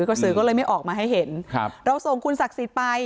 กระสือก็เลยไม่ออกมาให้เห็นครับเราส่งคุณศักดิ์สิทธิ์ไป